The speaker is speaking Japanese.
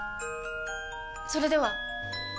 それでは！